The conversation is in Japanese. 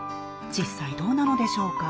実際どうなのでしょうか？